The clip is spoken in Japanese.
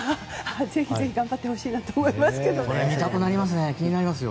ぜひ頑張ってほしいと思いますけど。